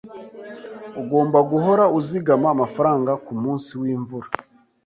Ugomba guhora uzigama amafaranga kumunsi wimvura.